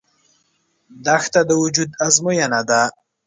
دښته د وجود ازموینه ده.